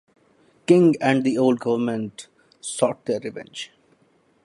King and the old government sought their revenge.